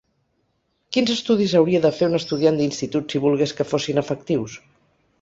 Quins estudis hauria de fer un estudiant d’institut si volgués que fossin efectius?